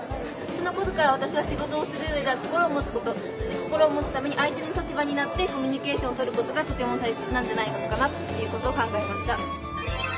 そのことからわたしは仕事をする上で心を持つことそして心を持つために相手の立場になってコミュニケーションを取ることがとてもたいせつなんじゃないかなということを考えました。